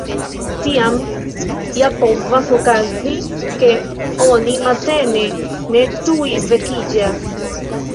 Tiam ja povas okazi, ke oni matene ne tuj vekiĝas.